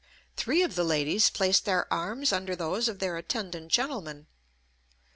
Three of the ladies placed their arms under those of their attendant gentlemen.